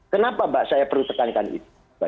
kenapa mbak saya perlu tekankan itu